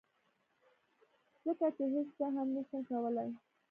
ځکه چې هیڅ څه هم نشي کولی